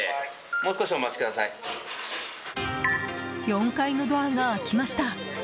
４階のドアが開きました。